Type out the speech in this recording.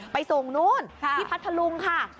ไปส่งนู่นที่พัทธลุงค่ะ